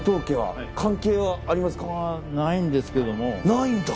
ないんだ。